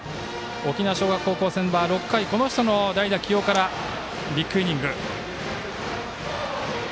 沖縄尚学高校戦は６回この人の代打起用からビッグイニング。